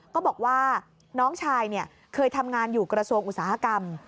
ก็บอกว่าน้องชายเคยทำงานอยู่กระทรวงอุตสาหกรรม